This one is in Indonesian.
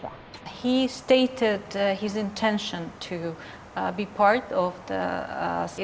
dia mengatakan intinya untuk menjadi bagian dari